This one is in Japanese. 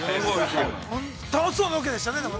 ◆楽しそうなロケでしたね。